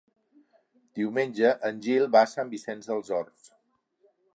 Diumenge en Gil va a Sant Vicenç dels Horts.